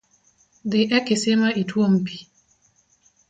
Dhi e kisima ituom pii